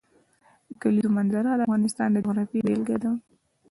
د کلیزو منظره د افغانستان د جغرافیې بېلګه ده.